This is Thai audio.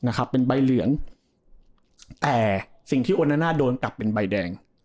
นะครับเป็นใบเหลืองแต่สิ่งที่โอนาน่าโดนกลับเป็นใบแดง